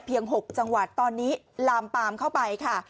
๖จังหวัดตอนนี้ลามปามเข้าไปค่ะ